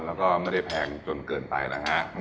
แล้วก็ไม่ได้แพงจนเกินไปนะฮะ